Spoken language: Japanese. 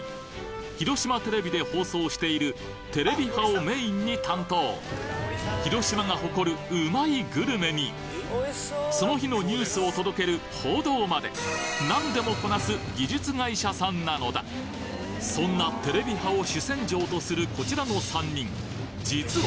広島テレビで放送している『テレビ派』をメインに担当広島が誇るうまいグルメにその日のニュースを届ける報道まで何でもこなす技術会社さんなのだそんな『テレビ派』を主戦場とするこちらの３人実は